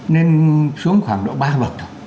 nên xuống khoảng độ ba bậc thôi